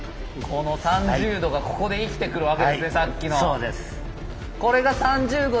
この３０°がここで生きてくるわけですねさっきの。